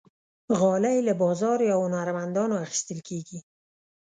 غالۍ له بازار یا هنرمندانو اخیستل کېږي.